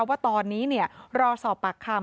ว่าตอนนี้รอสอบปากคำ